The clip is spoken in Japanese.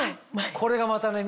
これがまたね